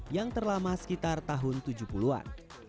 yang terlama sekitar tahun tujuh puluh an